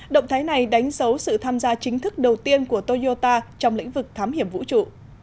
động thái này đánh dấu sự tham gia chính thức đầu tiên của toyota trong lĩnh vực thám hiểm vũ trụ